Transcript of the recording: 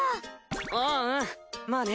ああうんまあね。